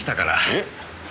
えっ？